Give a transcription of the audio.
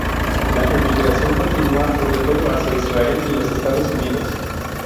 La emigración continúa, sobre todo hacia Israel y los Estados Unidos.